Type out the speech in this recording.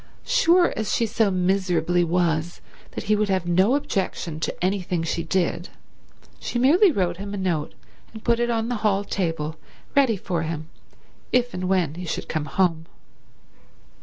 Sure as she so miserably was that he would have no objection to anything she did, she merely wrote him a note and put it on the hall table ready for him if and when he should come home.